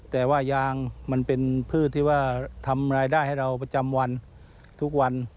แต่ว่ายางมันเป็นพืชที่ว่าทำรายได้ให้เราประจำวันทุกวัน